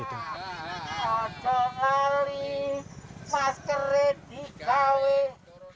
kita harus mengambil masker